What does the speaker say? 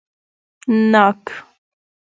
🍐ناک